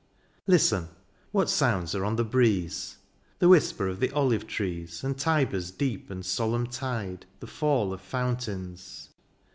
Listen ! what sounds are on the breeze ? The whisper of the olive trees. And Tiber's deep and solemn tide. The fall of fountains.